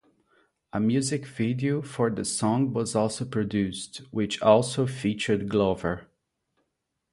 A music video for the song was also produced, which also featured Glover.